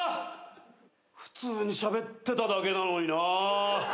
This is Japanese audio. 普通にしゃべってただけなのになぁ。